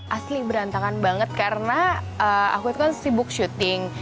asli berantakan banget karena aku itu kan sibuk syuting